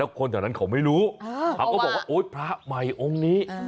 แล้วคนตอนนั้นเค้าไม่รู้เค้าก็บอกว่าโอ้ยพระมัยองค์นี้